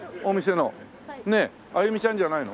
はい。ねえ歩ちゃんじゃないの？